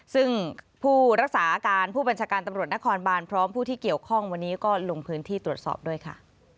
ซึ่งผู้รักษาการผู้บัญชาการตำรวจนครบานพร้อมผู้ที่เกี่ยวข้องวันนี้ก็ลงพื้นที่ตรวจสอบด้วยค่ะ